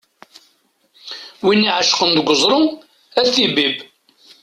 Win iεecqen deg uẓru ad t-ibbib.